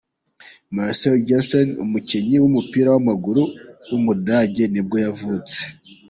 Marcell Jansen, umukinnyi w’umupira w’amaguru w’umudage nibwo yavutse.